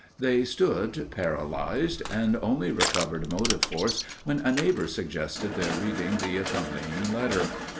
They stood paralyzed and only recovered motive force when a neighbour suggested their reading the accompanying letter.